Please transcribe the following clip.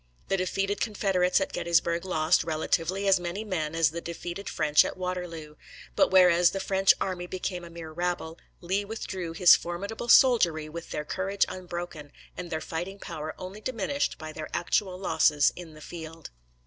The defeated Confederates at Gettysburg lost, relatively, as many men as the defeated French at Waterloo; but whereas the French army became a mere rabble, Lee withdrew his formidable soldiery with their courage unbroken, and their fighting power only diminished by their actual losses in the field.